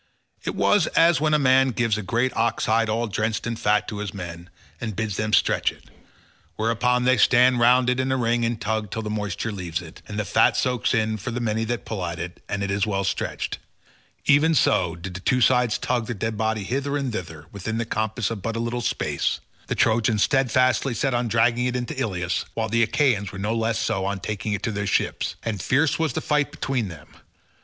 It was as when a man gives a great ox hide all drenched in fat to his men, and bids them stretch it; whereon they stand round it in a ring and tug till the moisture leaves it, and the fat soaks in for the many that pull at it, and it is well stretched—even so did the two sides tug the dead body hither and thither within the compass of but a little space—the Trojans steadfastly set on dragging it into Ilius, while the Achaeans were no less so on taking it to their ships; and fierce was the fight between them.